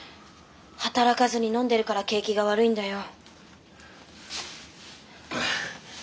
働かずに飲んでるから景気が悪いんだよ。